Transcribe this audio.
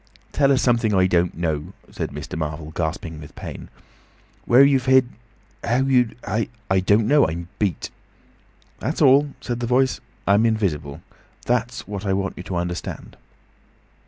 "Tell us something I don't know," said Mr. Marvel, gasping with pain. "Where you've hid—how you do it—I don't know. I'm beat." "That's all," said the Voice. "I'm invisible. That's what I want you to understand."